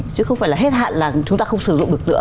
chứ không phải là hết hạn là chúng ta không sử dụng được nữa